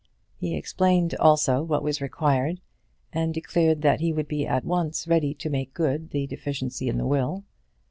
He explained also what was required, and declared that he would be at once ready to make good the deficiency in the will.